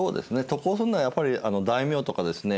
渡航するのはやっぱり大名とかですね